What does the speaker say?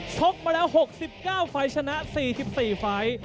ชกมาแล้ว๖๙ไฟล์ชนะ๔๔ไฟล์